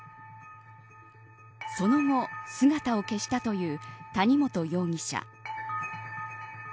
その後、姿を消したという谷本容疑者。